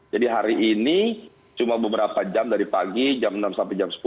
jadi hari ini cuma beberapa jam dari pagi jam enam sampai jam sepuluh